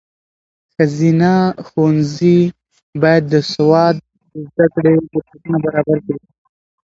ښځینه ښوونځي باید د سواد د زده کړې فرصتونه برابر کړي.